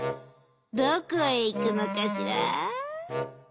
どこへいくのかしら？」。